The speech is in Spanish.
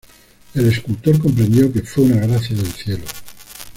El escultor comprendió que fue una gracia del cielo.